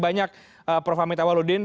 banyak prof hamid awaludin